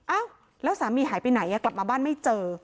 อ้าวแล้วสามีหายไปไหนกลับมาบ้านไม่เจอ